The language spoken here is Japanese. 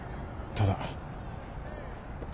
ただ？